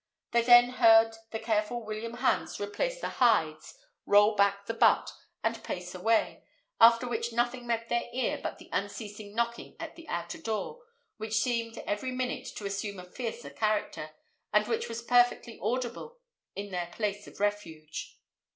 They then heard the careful William Hans replace the hides, roll back the butt, and pace away; after which nothing met their ear but the unceasing knocking at the outer door, which seemed every minute to assume a fiercer character, and which was perfectly audible in their place of refuge.